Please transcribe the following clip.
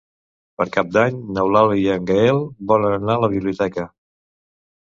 Per Cap d'Any n'Eulàlia i en Gaël volen anar a la biblioteca.